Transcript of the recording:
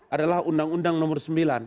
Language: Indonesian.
adalah undang undang nomor sembilan